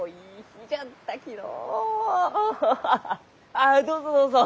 ああどうぞどうぞ。